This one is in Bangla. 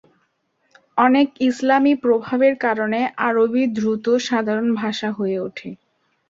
অনেক ইসলামী প্রভাবের কারণে, আরবি দ্রুত সাধারণ ভাষা হয়ে ওঠে।